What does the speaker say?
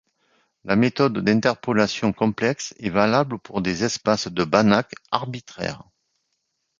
La méthode d'interpolation complexe est valable pour des espaces de Banach arbitraires.